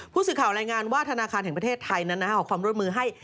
ผู้สื่อข่าวรายงานว่าธนาคารแห่งประเทศไทยนั้นขอความร่วมมือให้